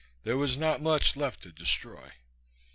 There was not much left to destroy.